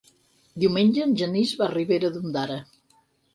Diumenge en Genís va a Ribera d'Ondara.